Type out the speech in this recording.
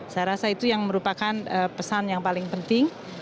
saya rasa itu yang merupakan pesan yang paling penting